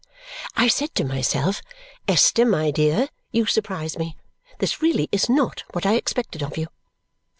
I said to myself, "Esther, my dear, you surprise me! This really is not what I expected of you!"